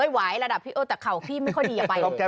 ไหวระดับพี่โอ้แต่เข่าพี่ไม่ค่อยดีอย่าไป